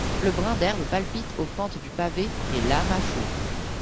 Le brin d’herbe palpite aux fentes du pavé ; Et l’âme a chaud.